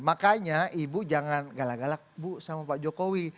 makanya ibu jangan galak galak bu sama pak jokowi